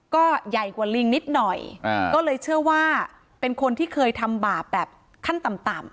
ก็ใหญ่กว่าลิงนิดหน่อยก็เลยเชื่อว่าเป็นคนที่เคยทำบาปแบบขั้นต่ำต่ำ